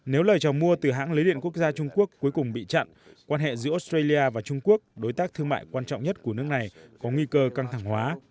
nếu lời chào mua từ hãng lưới điện quốc gia trung quốc cuối cùng bị chặn quan hệ giữa australia và trung quốc đối tác thương mại quan trọng nhất của nước này có nguy cơ căng thẳng hóa